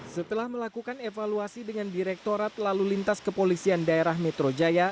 setelah melakukan evaluasi dengan direktorat lalu lintas kepolisian daerah metro jaya